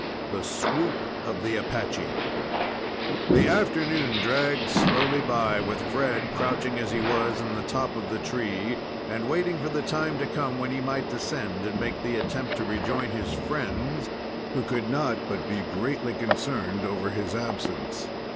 THE SWOOP OF THE APACHE The afternoon dragged slowly by with Fred crouching, as he was, in the top of the tree and waiting for the time to come when he might descend and make the attempt to rejoin his friends, who could not but be greatly concerned over his absence.